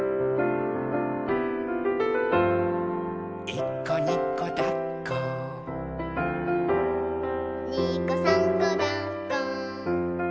「いっこにこだっこ」「にこさんこだっこ」